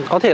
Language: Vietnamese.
có thể là